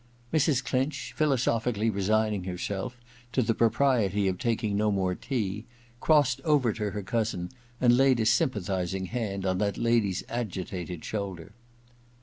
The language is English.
Mrs. Clinch, philosophically resigning herself to the propriety of taking no more tea, crossed over to her cousin and laid a sympathizing hand on that lady's agitated shoulder.